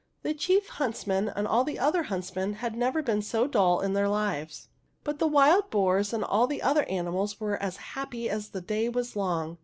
The chief hunts man and all the other huntsmen had never been so dull in their lives ; but the wild boars and all the other animals were as happy as the day was long.